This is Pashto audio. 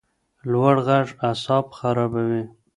لوړ غږ اعصاب خرابوي